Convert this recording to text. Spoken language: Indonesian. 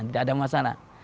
tidak ada masalah